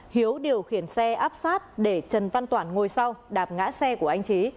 hiếu điều khiển xe áp sát để trần văn toản ngồi sau đạp ngã xe của anh trí